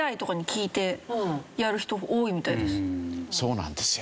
そうなんですよ。